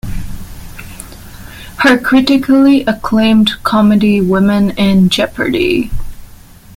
Her critically acclaimed comedy Women in Jeopardy!